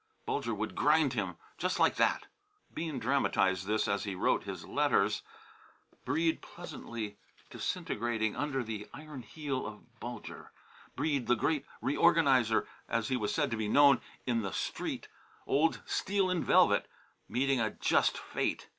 Bulger would grind him just like that! Bean dramatized this as he wrote his letters; Breede pleasantly disintegrating under the iron heel of Bulger: Breede "The Great Reorganizer," as he was said to be known "in the Street," old "steel and velvet," meeting a just fate!